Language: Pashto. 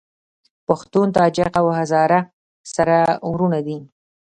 پښتون، تاجک او هزاره سره وروڼه دي